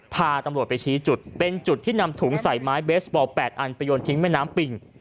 พาตำรวจไปชี้จุดเป็นจุดที่นำถุงใส่ไม้เบสบอล๘อันไปโยนทิ้งแม่น้ำปิ่ง